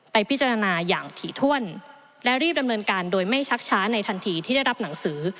พิจารณาอย่างถี่ถ้วนและรีบดำเนินการโดยไม่ชักช้าในทันทีที่ได้รับหนังสือ